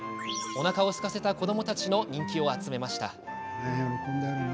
おなかをすかせた子どもたちの人気を集めました。